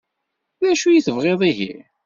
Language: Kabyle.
D acu i tebɣiḍ ihi?